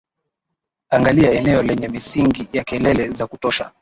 angalia eneo lenye misingi ya kelele za kutosha